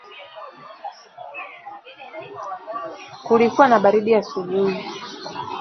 Kulikuwa na baridi asubuhi